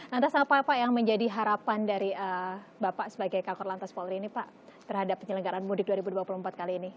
lantas apa pak yang menjadi harapan dari bapak sebagai kakor lantas polri ini pak terhadap penyelenggaran mudik dua ribu dua puluh empat kali ini